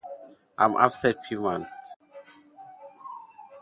The crash damages one of the Grendel's pontoon sections.